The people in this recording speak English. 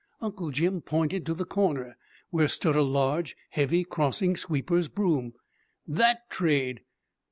Uncle Jim pointed to the corner, where stood a large, heavy crossing sweeper's broom. "That trade."